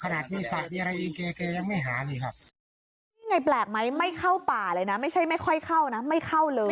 นี่ไงแปลกไหมไม่เข้าป่าเลยนะไม่ใช่ไม่ค่อยเข้านะไม่เข้าเลย